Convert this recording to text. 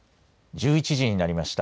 １１時になりました。